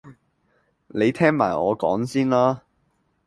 你聽埋我講先啦